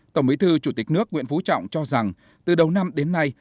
tổng bí thư chủ tịch nước nguyễn phú trọng cho rằng từ đầu năm đến nay